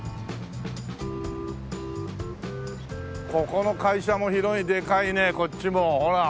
ここの会社も広いでかいねこっちもほら。